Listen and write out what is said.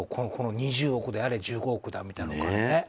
２０億であれ１５億だみたいなお金。